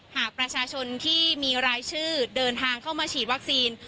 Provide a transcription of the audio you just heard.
หากประชาชนที่มีรายชื่อเดินทางเข้ามาฉีดวัคซีน